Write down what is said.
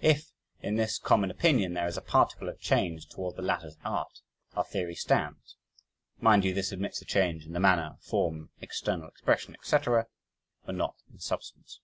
If, in this common opinion, there is a particle of change toward the latter's art, our theory stands mind you, this admits a change in the manner, form, external expression, etc., but not in substance.